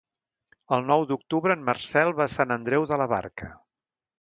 El nou d'octubre en Marcel va a Sant Andreu de la Barca.